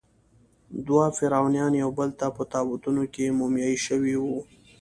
دوه فرعونیان یوبل ته په تابوتونو کې مومیایي شوي وو.